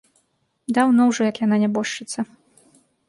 Даўно ўжо, як яна нябожчыца.